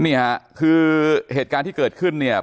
นี่ค่ะคือเหตุการณ์ที่เกิดขึ้นเนี่ย